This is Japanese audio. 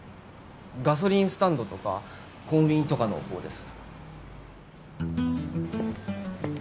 ガソリンスタンドとかコンビニとかのほうです